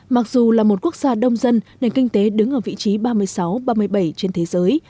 mặc dù là một quốc gia đông dân nền kinh tế đứng ở vị trí ba mươi sáu ba mươi bảy trên thế giới